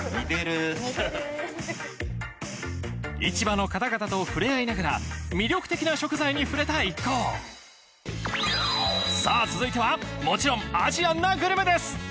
市場の方々と触れ合いながら魅力的な食材に触れた一行さあ続いてはもちろんアジアンなグルメです